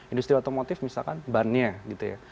industri otomotif misalkan bannya gitu ya